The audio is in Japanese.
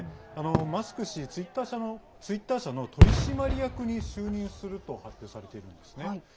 マスク氏、ツイッター社の取締役に就任すると発表されているんですね。